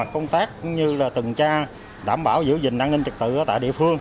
cũng như là từng tra đảm bảo giữ gìn an ninh trực tự tại địa phương